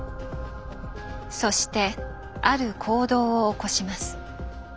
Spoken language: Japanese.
そしてある行動を起こします。